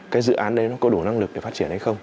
cái dự án đấy nó có đủ năng lực để phát triển hay không